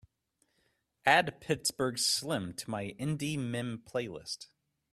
Add pittsburgh slim to my indie mim playlist.